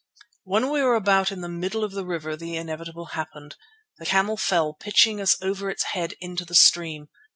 When we were about in the middle of the river the inevitable happened. The camel fell, pitching us over its head into the stream.